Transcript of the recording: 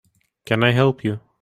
Can I help you?